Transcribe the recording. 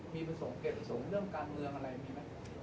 มีประสงค์เกตประสงค์เรื่องการเมืองอะไรมีไหม